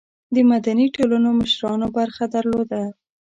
د مدني ټولنو مشرانو برخه درلوده.